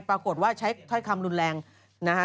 ปรากฏว่าใช้ถ้อยคำรุนแรงนะฮะ